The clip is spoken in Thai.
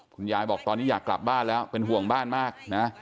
คุณยายบอกตอนนี้อยากกลับบ้านแล้วเป็นห่วงบ้านมากนะ